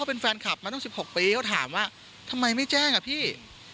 เป็นแฟนคลับมาตั้ง๑๖ปีเขาถามว่าทำไมไม่แจ้งอ่ะพี่